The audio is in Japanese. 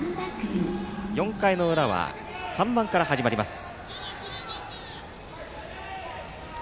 ４回の裏は３番から始まります。